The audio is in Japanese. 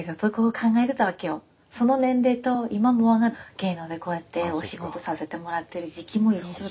その年齢と今もあが芸能でこうやってお仕事させてもらってる時期も一緒で。